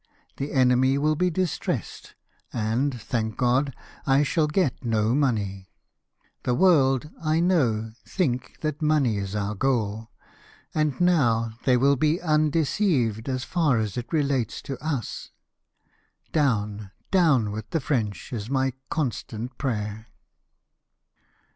The enemy will be distressed; and, thank God, I shall get no money. The world, I know, think that money is our god ; and now they will be undeceived, 170 LIFE OF NELSON. as far as it relates to us. Down, down with the French ! is my constant prayer."